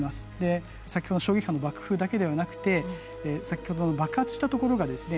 先ほど衝撃波の爆風だけではなくて先ほどの爆発した所がですね